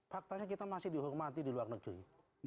faktanya kita masih dihormati di luar negeri